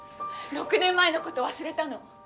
６年前の事忘れたの？